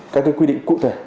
các cái quy định cụ thể